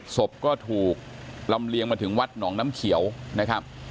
ศพก็ถูกลำเลียงมาถึงวัดหนองน้ำเขียวนะครับ